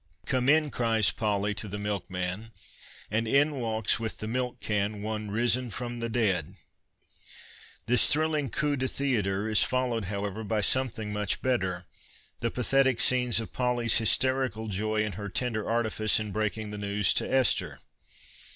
" Come in/" cries Polly to the milkman — and in walks with the milk can one risen from the dead ! This thrilling coitp de theatre is followed, however, by something much better, the pathetic scenes of Polly's hysterical joy and her tender artifice in breaking the news to Esther.